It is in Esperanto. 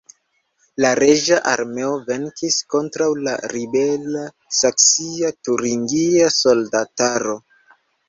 La reĝa armeo venkis kontraŭ la ribela saksia-turingia soldataro.